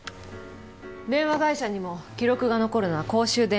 電話会社にも記録が残るのは公衆電話の番号だけ。